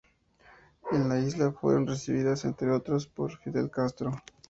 En la isla, fueron recibidas, entre otros, por Fidel Castro.